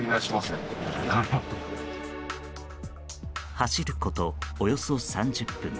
走ることおよそ３０分。